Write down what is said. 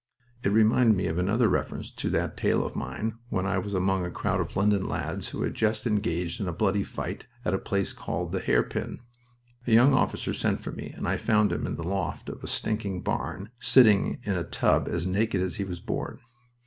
It reminded me of another reference to that tale of mine when I was among a crowd of London lads who had just been engaged in a bloody fight at a place called The Hairpin. A young officer sent for me and I found him in the loft of a stinking barn, sitting in a tub as naked as he was born.